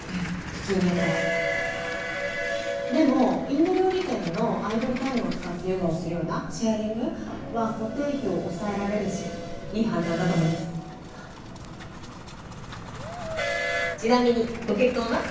普通にやったらああでもインド料理店のアイドルタイムを使ってヨガをするようなシェアリングは固定費を抑えられるしいい判断だと思いますちなみにご結婚は？